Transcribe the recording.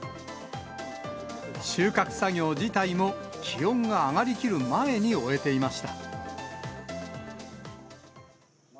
収穫作業自体も気温が上がりきる前に終えていました。